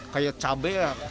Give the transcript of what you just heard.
kayak cabai rawit